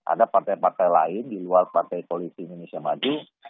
ada partai partai lain di luar partai koalisi indonesia maju